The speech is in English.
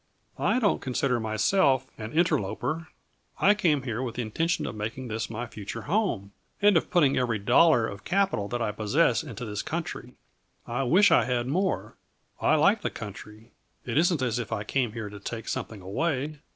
I don't consider myself an interloper; I came here with the intention of making this my future home, and of putting every dollar of capital that I possess into this country; I wish I had more. I like the country; it isn't as if I came here to take something away.